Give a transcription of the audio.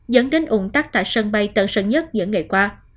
dẫn đến ủng tắc tại sân bay tân sơn nhất những ngày qua